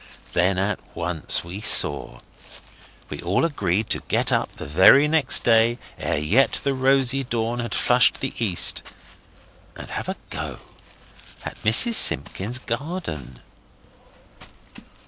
Then at once we saw. And we agreed to get up the very next day, ere yet the rosy dawn had flushed the east, and have a go at Mrs Simpkins's garden.